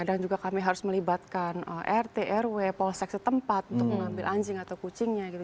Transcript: kadang juga kami harus melibatkan rt rw polsek setempat untuk mengambil anjing atau kucingnya gitu